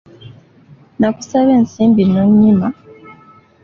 Nakusaba ensimbi n’onyima